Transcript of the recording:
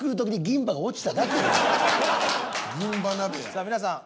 さあ皆さん。